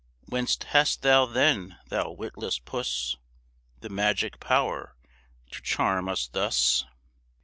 Whence hast thou then, thou witless puss! The magic power to charm us thus?